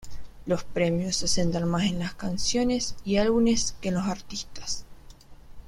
Los premios se centran más en las canciones y álbumes que en los artistas.